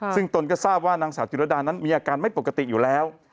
ซึ่งตนก็ทราบว่านางสาวจิรดานั้นมีอาการไม่ปกติอยู่แล้ว